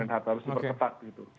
harus itu berketat gitu